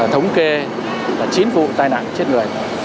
thống kê là chín vụ tai nạn chết người